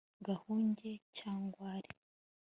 gahunge, cyangwari